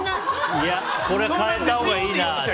これ、変えたほうがいいな。